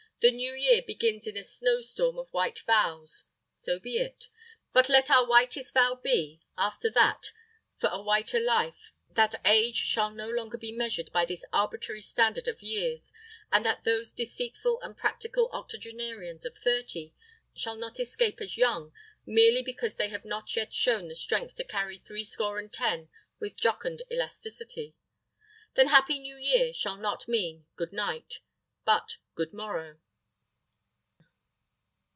The new year begins in a snow storm of white vows. So be it. But let our whitest vow be, after that for a whiter life, that age shall no longer be measured by this arbitrary standard of years, and that those deceitful and practical octogenarians of thirty shall not escape as young merely because they have not yet shown the strength to carry threescore and ten with jocund elasticity. Then Happy New Year shall not mean Good night, but Good morrow.